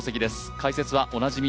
解説はおなじみ